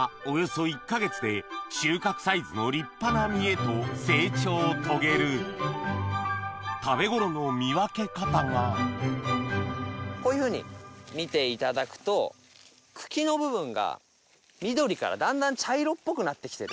収穫サイズの立派な実へと成長を遂げる食べ頃の見分け方がこういうふうに見ていただくと茎の部分が緑から段々茶色っぽくなってきてる。